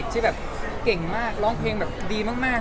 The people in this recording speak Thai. ที่คุณต้องส่งตัวเมื่อไหร่